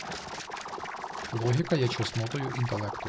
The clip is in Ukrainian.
Логіка є чеснотою інтелекту.